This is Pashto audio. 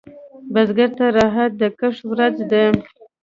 بزګر ته راحت د کښت ورځ ده